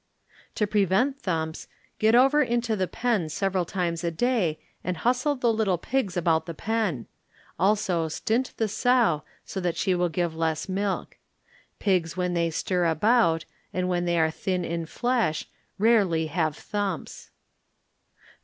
To prevent thumps, get over into the pen several times a day and hustle the little pigs about the pen; also stint the sow so that she will give less milk. Pigs when they stir about, and when they are thin in flesh, rarely have thumps.